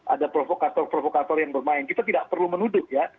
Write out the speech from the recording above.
ada provokator provokator yang bermain kita tidak perlu menuduh ya